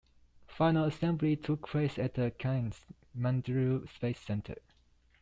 Final assembly took place at the Cannes Mandelieu Space Center.